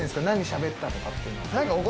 何しゃべったとかっていうのは。